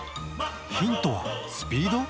ヒントはスピード？